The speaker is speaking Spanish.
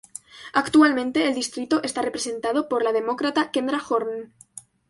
Actualmente el distrito está representado por la Demócrata Kendra Horn.